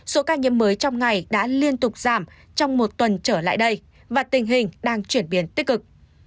số ca nhiễm mới trong ngày đã liên tục giảm trong một tuần trở lại đây và tình hình đang chuyển biến tích cực